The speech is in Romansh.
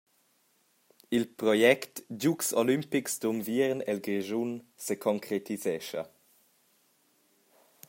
Il project «Giugs olimpics d’unviern el Grischun» seconcretisescha.